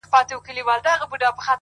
• نه یې غم وو چي یې کار د چا په ښه دی ,